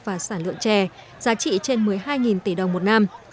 và sản lượng trè giá trị trên một mươi hai tỷ đồng một năm